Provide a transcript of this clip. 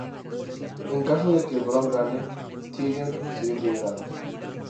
En caso de que Bronn gane, Tyrion sería liberado.